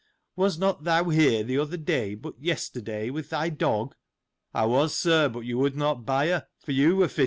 Was not thou here the other day but yesterday, with thy dog ? I was, sir ; but you would not buy her, for you were fitted, too.